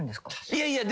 いやいや。